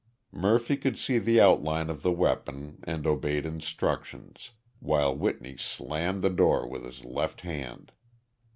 Murphy could see the outline of the weapon and obeyed instructions, while Whitney slammed the door with his left hand.